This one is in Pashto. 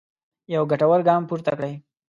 یو ګټور ګام پورته کړی.